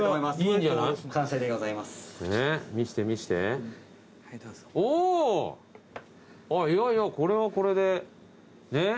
いやいやこれはこれでねっ。